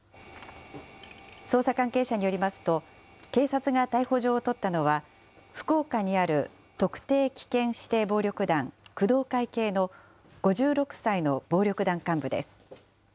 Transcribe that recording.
捜査関係者によりますと、警察が逮捕状を取ったのは、福岡にある特定危険指定暴力団工藤会系の５６歳の暴力団幹部です。